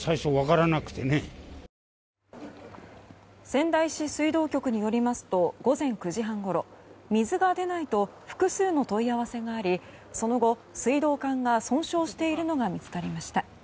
仙台市水道局によりますと午前９時半ごろ水が出ないと複数の問い合わせがありその後、水道管が損傷しているのが見つかりました。